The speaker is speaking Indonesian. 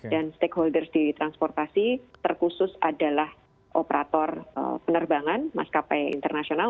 dan stakeholders di transportasi terkhusus adalah operator penerbangan mas kapai internasional